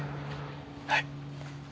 はい。